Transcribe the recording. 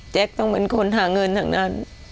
ต้องเป็นคนหาเงินทั้งนั้น